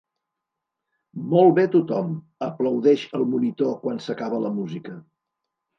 Molt bé tothom! —aplaudeix el monitor quan s'acaba la música.